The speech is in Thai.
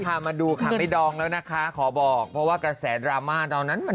ตามไปตรงนี้๖หมื่นแล้วเอาท้องให้พี่